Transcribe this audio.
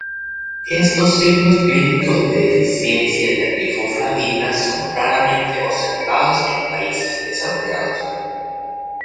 Estos signos clínicos de deficiencia de riboflavina son raramente observados en países desarrollados.